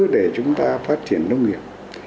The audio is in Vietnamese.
để chúng ta phát triển nông nghiệp